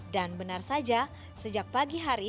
dan benar saja sejak pagi hari